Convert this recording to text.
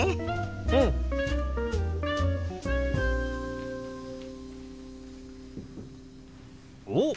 うん！おっ！